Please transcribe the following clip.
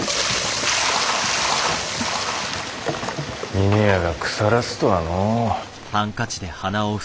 峰屋が腐らすとはのう。